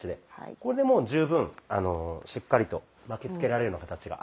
これでもう十分しっかりと巻きつけられるような形が。